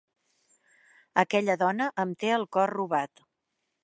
Aquella dona em té el cor robat.